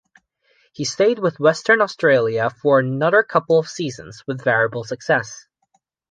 He stayed with Western Australia for another couple of seasons, with variable success.